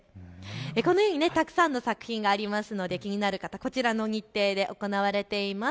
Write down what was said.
このようにたくさんの作品がありますので気になる方こちらの日程で行われています。